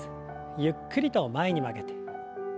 ゆっくりと前に曲げて。